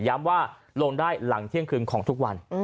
ว่าลงได้หลังเที่ยงคืนของทุกวัน